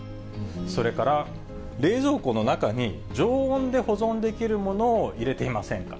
それから冷蔵庫の中に常温で保存できる物を入れていませんか。